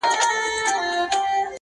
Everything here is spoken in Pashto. ښاخ پر ښاخ باندي پټېږي کور یې ورک دی.!